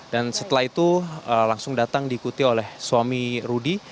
dan setelah itu langsung datang diikuti oleh suami rudy